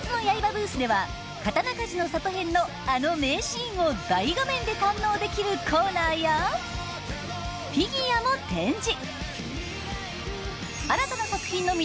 ブースでは「刀鍛冶の里編」のあの名シーンを大画面で堪能できるコーナーやフィギュアも展示。